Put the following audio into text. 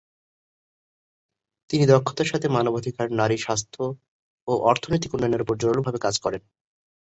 তিনি দক্ষতার সাথে মানবাধিকার, নারী, স্বাস্থ্য ও অর্থনৈতিক উন্নয়নের উপর জোরালোভাবে কাজ করেন।